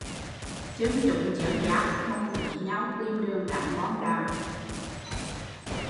Dân chúng dớn dác bồng bế nhau tìm đường tránh bom đạn